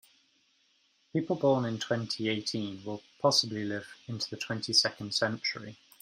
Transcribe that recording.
People born in twenty-eighteen will possibly live into the twenty-second century.